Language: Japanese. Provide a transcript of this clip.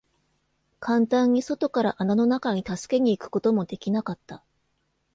簡単に外から穴の中に助けに行くことも出来なかった。